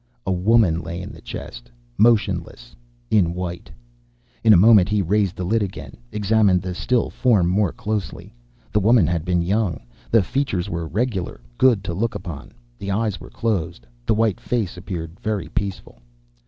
A woman lay in the chest motionless, in white. In a moment he raised the lid again; examined the still form more closely. The woman had been young. The features were regular, good to look upon. The eyes were closed; the white face appeared very peaceful.